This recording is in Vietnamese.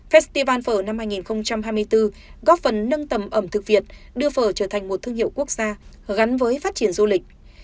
festival phở năm hai nghìn hai mươi bốn góp phần nâng tầm ẩm thực việt đưa phở trở thành một thương hiệu quốc gia gắn với phát triển du lịch